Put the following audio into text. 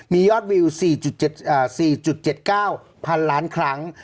มียอดวิว๔๗๙๐๐ล้านครั้ง